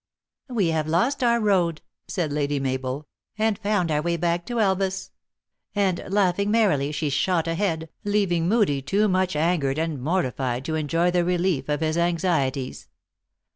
" We have lost our road," said Lady Mabel, " and found our way back to Elvas ;" and, laughing merrily, she shot ahead, leaving Moodie too much angered and mortified to enjoy the relief of his anxieties.